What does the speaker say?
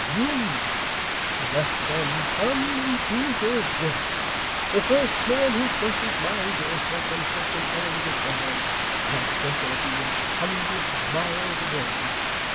Use it! Let them come and do their worst. The first man who crosses my doorstep on such an errand as theirs, had better be a hundred miles away.